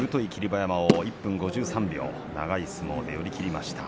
馬山１分５３秒長い相撲で寄り切りました。